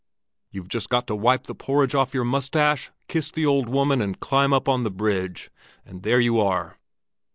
You've just got to wipe the porridge off your mustache, kiss the old woman, and climb up on to the bridge, and there you are!